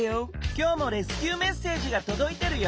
今日もレスキューメッセージがとどいてるよ。